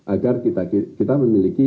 agar kita memiliki